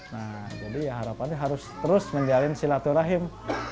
nah jadi ya harapannya harus terus menjalin silaturahim